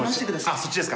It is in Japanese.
そっちですか。